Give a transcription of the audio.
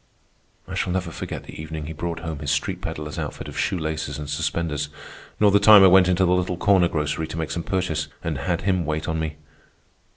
I shall never forget the evening he brought home his street pedler's outfit of shoe laces and suspenders, nor the time I went into the little corner grocery to make some purchase and had him wait on me.